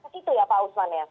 kesitu ya pak usman ya